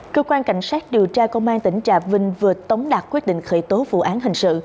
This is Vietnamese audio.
cơ quan cảnh sát điều tra công an tỉnh trà vinh vừa tống đạt quyết định khởi tố vụ án hình sự